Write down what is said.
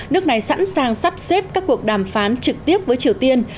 nước này sẵn sàng sắp xếp các cuộc đàm phán trực tiếp với triều tiên